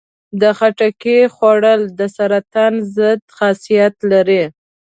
د خټکي خوړل د سرطان ضد خاصیت لري.